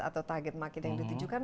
atau target market yang ditujukan